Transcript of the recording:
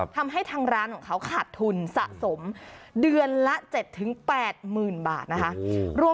ทางร้านของเขาขาดทุนสะสมเดือนละ๗๘๐๐๐บาทนะคะ